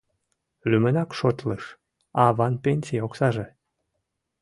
Лӱмынак шотлыш: аван пенсий оксаже.